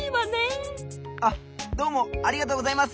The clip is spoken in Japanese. あっどうもありがとうございます！